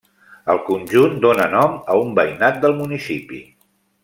El conjunt dóna nom a un veïnat del municipi.